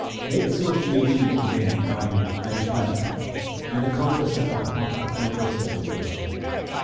3 Make association with men thine Ai Panth, 4 and the conquest of thy heart the conquest of the world.